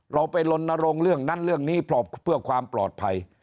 เราไปลนรงค์เรื่องนั้นเรื่องนี้เพื่อความปลอดภัย